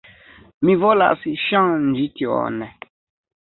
Mi volas ŝanĝi tion.